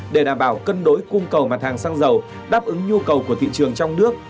để đảm bảo cân đối cung cầu mặt hàng xăng dầu đáp ứng nhu cầu của thị trường trong nước